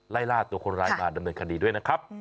ไล่ล่าตัวคนร้ายมาดำเนินคดีด้วยนะครับ